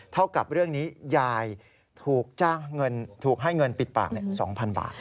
เท่ากับเรื่องนี้ยายถูกให้เงินปิดปาก๒๐๐๐บาท